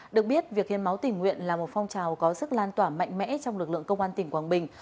được biết việc hiến máu tình nguyện là một phong trào có sức lan tỏa mạnh mẽ trong lực lượng công an tỉnh quảng bình